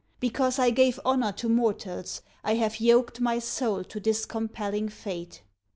Because I gave Honor to mortals, I have yoked my soul To this compelling fate.